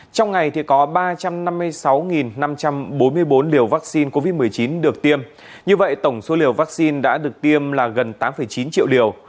trong ngày có ba trăm năm mươi sáu năm trăm bốn mươi bốn liều vaccine covid một mươi chín được tiêm như vậy tổng số liều vaccine đã được tiêm là gần tám chín triệu liều